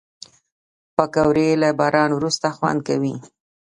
پکورې له باران وروسته خوند کوي